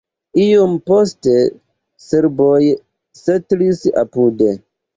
Iom poste serboj setlis apude.